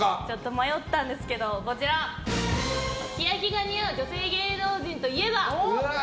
迷ったんですけど日焼けが似合う女性芸能人といえば？